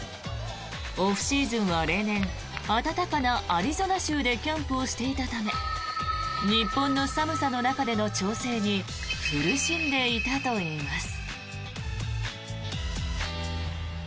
オフシーズンは例年、暖かなアリゾナ州でキャンプをしていたため日本の寒さの中での調整に苦しんでいたといいます。